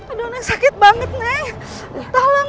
aduh neng sakit banget neng